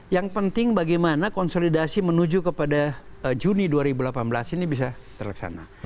yang penting bagaimana konsolidasi menuju kepada juni dua ribu delapan belas ini bisa terlaksana